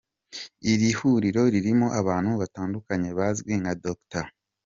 Iri huriro ririmo abantu batandukanye bazwi nka Dr.